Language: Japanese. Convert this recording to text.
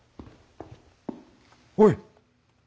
おい。